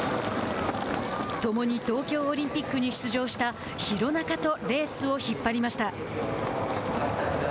共に東京オリンピックに出場した廣中とレースを引っ張りました。